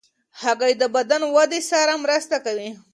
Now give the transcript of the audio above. هګۍ د بدن ودې سره مرسته کوي.